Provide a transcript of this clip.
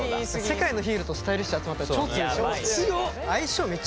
世界のヒーローとスタイリッシュ集まったら超強い。